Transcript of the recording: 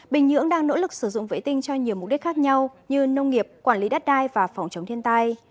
bình nhưỡng đang nỗ lực sử dụng vệ tinh cho nhiều mục đích khác nhau như nông nghiệp quản lý đất đai và phòng chống thiên tai